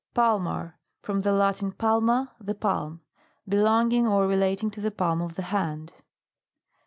PALMAR. From the Latin, palma, the palm. Belonging or relating to the palm of the hand.